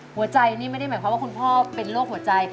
หัวใจนี่ไม่ได้หมายความว่าคุณพ่อเป็นโรคหัวใจ